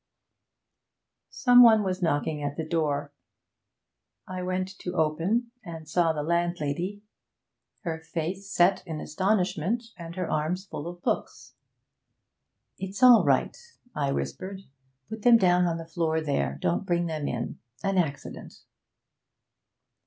Some one was knocking at the door. I went to open, and saw the landlady, her face set in astonishment, and her arms full of books. 'It's all right,' I whispered. 'Put them down on the floor there; don't bring them in. An accident.'